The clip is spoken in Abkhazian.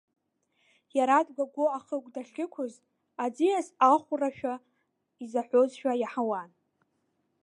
Иара дгәагәо ахықә дахьықәыз, аӡиас ахәрашәа изаҳәозшәа иаҳауан.